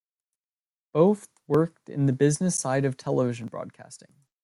Both worked in the business side of television broadcasting.